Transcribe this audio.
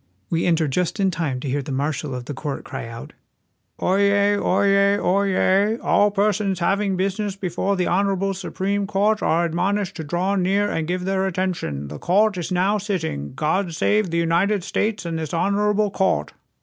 We enter just in time to hear the marshal of the court cry out :" Oyez ! oyez ! oyez ! All persons having business be fore the honorable Supreme Court are admonished to draw near and give their attention. The court is now sitting. God save the United States and this honorable court!"